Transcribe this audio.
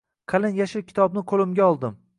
Qalin yashil kitobni qo’limga oldim.